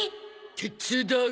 手伝う。